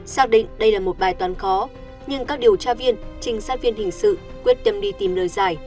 xác định đây là một bài toán khó nhưng các điều tra viên trinh sát viên hình sự quyết tìm đi tìm nơi dài